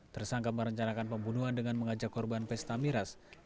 tersangka merencanakan pembunuhan dengan mengajak korban pesta miras